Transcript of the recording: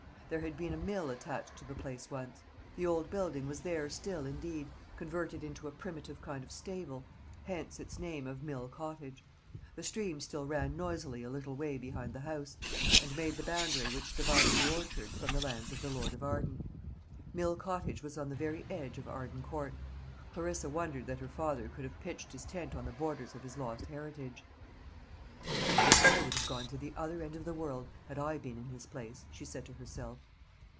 There had been a mill attached to the place once. The old building was there still, indeed, converted into a primitive kind of stable; hence its name of Mill Cottage. The stream still ran noisily a little way behind the house, and made the boundary which divided the orchard from the lands of the lord of Arden. Mill Cottage was on the very edge of Arden Court. Clarissa wondered that her father could have pitched his tent on the borders of his lost heritage. "I think I would have gone to the other end of the world, had I been in his place," she said to herself.